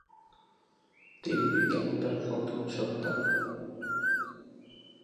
তিনি পিতা মাতার প্রথম সন্তান।